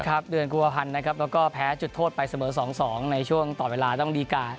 เดือนกุมภาพันธ์นะครับแล้วก็แพ้จุดโทษไปเสมอ๒๒ในช่วงต่อเวลาต้องดีการ์